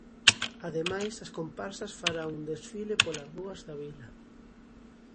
Ademais, as comparsas farán un desfile polas rúas da vila.